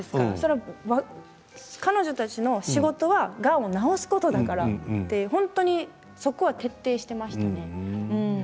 彼女たちの仕事はがんを治すことだから本当にそこは徹底していましたね。